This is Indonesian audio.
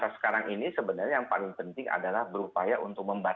sekarang ini sebenarnya yang paling penting adalah berupaya untuk membantu